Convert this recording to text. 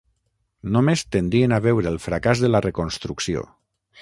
Només tendien a veure el fracàs de la Reconstrucció.